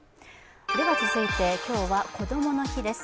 では続いて今日はこどもの日です。